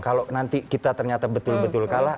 kalau nanti kita ternyata betul betul kalah